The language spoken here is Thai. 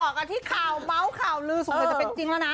บอกกันที่ข่าวม้าวข่าวลือสุขจะเป็นจริงแล้วนะ